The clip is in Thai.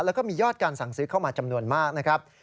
แล้วก็มียอดการสั่งซื้อเข้ามาจำนวนมากนะครับ